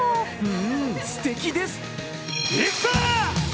うーん、すてきです。